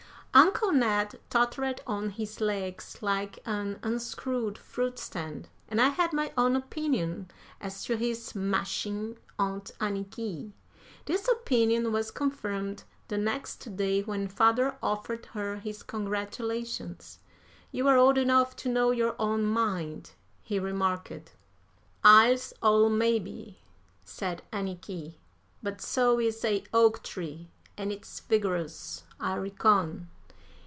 Uncle Ned tottered on his legs like an unscrewed fruit stand, and I had my own opinion as to his "mashing" Aunt Anniky. This opinion was confirmed the next day when father offered her his congratulations. "You are old enough to know your own mind," he remarked. "I's ole, maybe," said Anniky, "but so is a oak tree, an' it's vigorous, I reckon.